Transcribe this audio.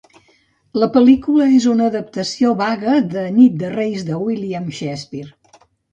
La pel·lícula és una adaptació vaga de "Nit de Reis" de William Shakespeare.